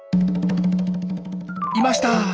いました！